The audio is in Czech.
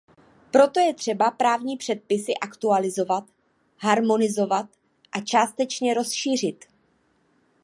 Proto je třeba právní předpisy aktualizovat, harmonizovat a částečně rozšířit.